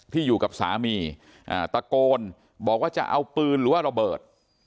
อยู่กับสามีตะโกนบอกว่าจะเอาปืนหรือว่าระเบิด